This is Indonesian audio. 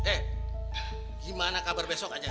eh gimana kabar besok aja